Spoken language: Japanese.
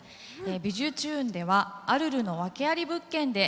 「びじゅチューン！」では「アルルの訳あり物件」で登場します。